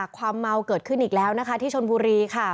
ความเมาเกิดขึ้นอีกแล้วนะคะที่ชนบุรีค่ะ